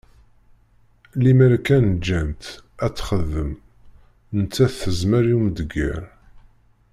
Limmer kan ǧǧan-tt ad texdem nettat tezmer i umdegger.